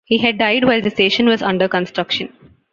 He had died while the station was under construction.